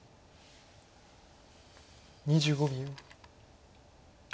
２５秒。